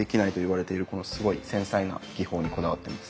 このすごい繊細な技法にこだわってます。